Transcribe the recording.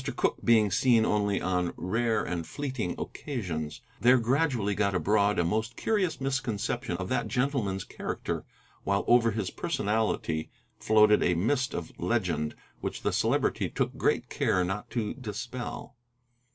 Cooke being seen only on rare and fleeting occasions, there gradually got abroad a most curious misconception of that gentleman's character, while over his personality floated a mist of legend which the Celebrity took good care not to dispel.